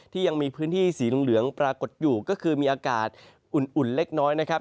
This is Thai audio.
ยังมีพื้นที่สีเหลืองปรากฏอยู่ก็คือมีอากาศอุ่นเล็กน้อยนะครับ